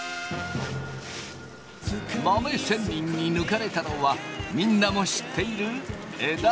豆仙人に抜かれたのはみんなも知っている枝豆。